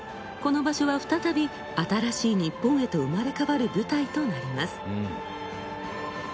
この場所は再び新しい日本へと生まれ変わる舞台となります。